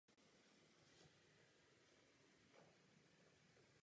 Tento trend byl způsobem prudkého zhoršení ekonomické a politické situace.